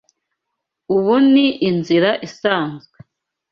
Ubu ni inzira isanzwe.